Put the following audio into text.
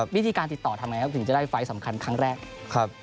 วิธีการติดต่อทำไงครับถึงจะได้ไฟล์สำคัญครั้งแรก